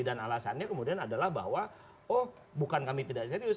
dan alasannya kemudian adalah bahwa oh bukan kami tidak serius